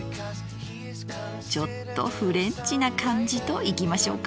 ちょっとフレンチな感じといきましょうか。